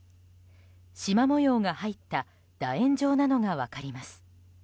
しま模様が入った楕円状なのが分かります。